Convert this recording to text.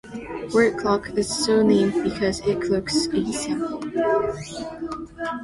Word clock is so named because it clocks each sample.